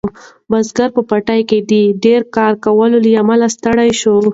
بزګر په پټي کې د ډیر کار کولو له امله ستړی شو.